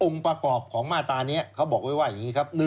ประกอบของมาตรานี้เขาบอกไว้ว่าอย่างนี้ครับ